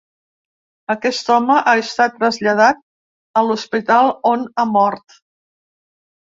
Aquest home ha estat traslladat a l’hospital on ha mort.